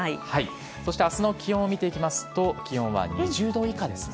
明日の気温を見ていきますと気温は２０度以下ですね。